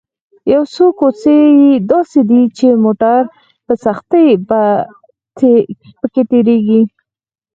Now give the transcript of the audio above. یو څو کوڅې یې داسې دي چې موټر په سختۍ په کې تېرېږي.